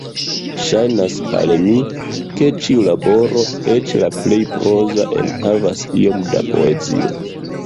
Ŝajnas al mi, ke ĉiu laboro, eĉ la plej proza, enhavas iom da poezio.